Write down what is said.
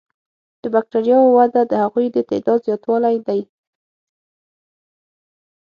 د بکټریاوو وده د هغوی د تعداد زیاتوالی دی.